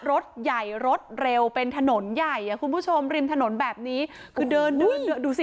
รถใหญ่รถเร็วเป็นถนนใหญ่อ่ะคุณผู้ชมริมถนนแบบนี้คือเดินเดินดูสิ